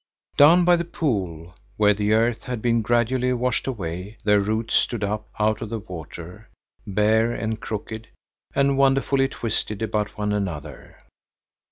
Down by the pool, where the earth had been gradually washed away, their roots stood up out of the water, bare and crooked and wonderfully twisted about one another.